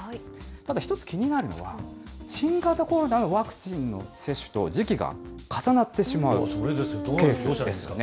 ただ一つ気になるのは、新型コロナのワクチンの接種と時期が重なってしまうケースですね。